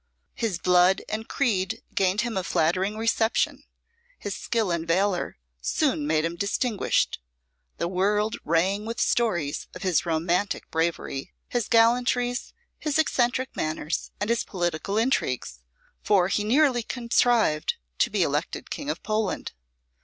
His blood and creed gained him a flattering reception; his skill and valour soon made him distinguished. The world rang with stories of his romantic bravery, his gallantries, his eccentric manners, and his political intrigues, for he nearly contrived to be elected King of Poland.